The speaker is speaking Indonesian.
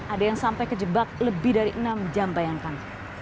ada yang sampai ke jebak lebih dari enam jam bayangkan